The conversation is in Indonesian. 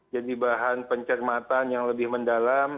jadi bahan pencermatan yang lebih mendalam